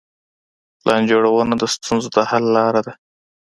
پلان جوړونه د ستونزو د حل لاره ده.